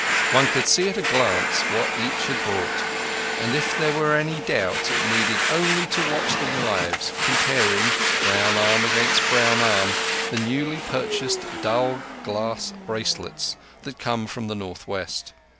One could see at a glance what each had bought; and if there were any doubt it needed only to watch the wives comparing, brown arm against brown arm, the newly purchased dull glass bracelets that come from the North West.